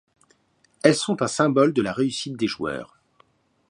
Elles sont un symbole de la réussite des joueurs.